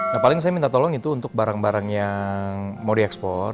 nah paling saya minta tolong itu untuk barang barang yang mau diekspor